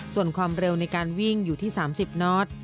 ส่วนความเร็วในการวิ่งอยู่ที่๓๐น็อต